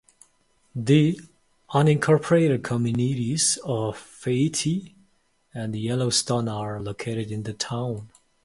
The unincorporated communities of Fayette and Yellowstone are located in the town.